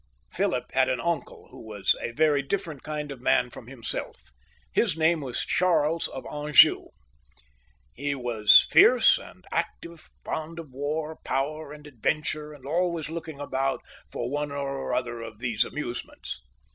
Philip had an uncle who was a very different kind of man from himself. His name was Charles of Anjoii. He was fierce and active ; fond of war, power, and adventure ; and always looking about for one or other of these amuse ments.